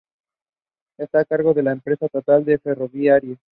Está a cargo de la empresa estatal Ferrobaires.